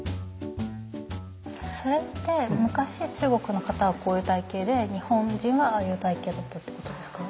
それって昔中国の方はこういう体型で日本人はああいう体型だったっていうことですか？